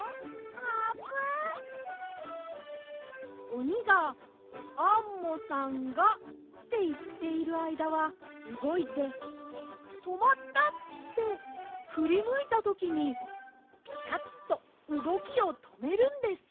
おにが「アンモさんが」っていっているあいだはうごいて「とまった」ってふりむいたときにピタッとうごきをとめるんです。